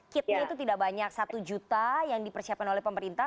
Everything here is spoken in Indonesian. kitnya itu tidak banyak satu juta yang dipersiapkan oleh pemerintah